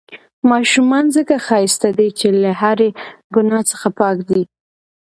ماشومان ځڪه ښايسته دي، چې له هرې ګناه څخه پاک دي.